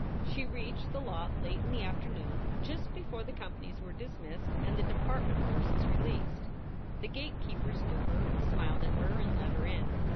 She reached the lot late in the afternoon, just before the companies were dismissed and the department forces released. The gatekeepers knew her, smiled at her, and let her in.